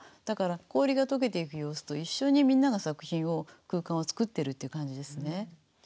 だから氷が解けていく様子と一緒にみんなが作品を空間を作ってるっていう感じですね。